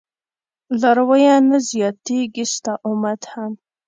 لارويه نه زياتېږي ستا امت هم